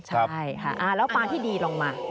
ใช่ค่ะแล้วปลาที่ดีลงมา